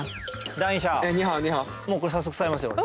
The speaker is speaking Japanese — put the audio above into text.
もうこれ早速使いますよ俺。